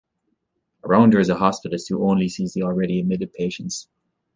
A rounder is a hospitalist who only sees the already admitted patients.